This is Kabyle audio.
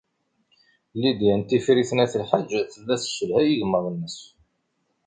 Lidya n Tifrit n At Lḥaǧ tella tesselhay igmaḍ-nnes.